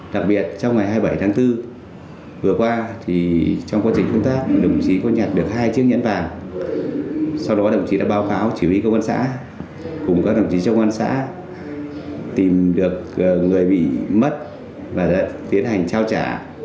đặc biệt trong ngày hai mươi bảy tháng bốn vừa qua trong quá trình công tác đồng chí có nhặt được hai chiếc nhẫn vàng sau đó đồng chí đã báo cáo chỉ huy công an xã cùng các đồng chí trong công an xã tìm được người bị mất và đã tiến hành trao trả